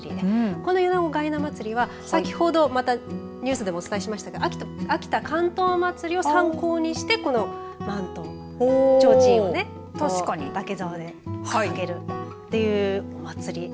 米子がいな祭は先ほどニュースでもお伝えしましたが秋田竿燈まつりを参考にしてこの万灯ちょうちんを竹ざおで掲げるというお祭り。